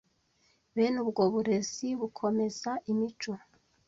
Bene ubwo burezi bukomeza imico